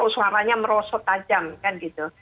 suaranya merosot tajam kan gitu